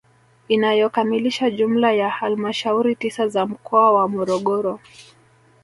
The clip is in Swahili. Inayokamilisha jumla ya halmashauri tisa za mkoa wa Morogoro